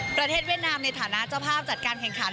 เวียดนามในฐานะเจ้าภาพจัดการแข่งขัน